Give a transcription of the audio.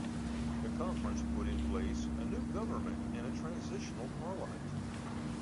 The conference put in place a new government and a transitional parliament.